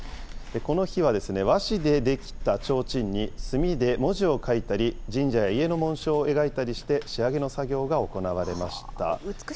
この日は、和紙で出来たちょうちんに、墨で文字を書いたり、神社や家の紋章を描いたりして、仕上げの作業が行われました。